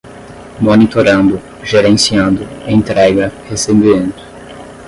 monitorando, gerenciando, entrega, recebimento